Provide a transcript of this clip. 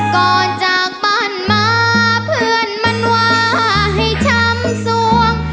ก่อนจากบ้านมาเพื่อนมันว่าให้ช้ำสวง